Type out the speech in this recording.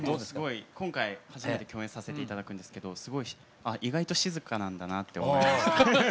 今回初めて共演させて頂くんですけどすごい意外と静かなんだなって思いました。